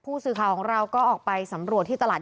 และก็คือว่าถึงแม้วันนี้จะพบรอยเท้าเสียแป้งจริงไหม